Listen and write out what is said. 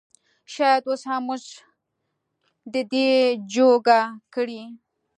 شايد اوس هم مونږ د دې جوګه کړي